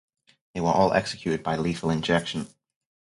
They were all executed by lethal injection.